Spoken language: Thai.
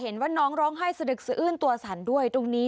น้องร้องไห้สะดึกสะอื้นตัวสั่นด้วยตรงนี้